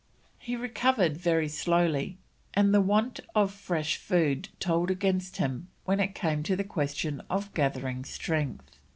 He recovered very slowly, and the want of fresh food told against him when it came to the question of gathering strength.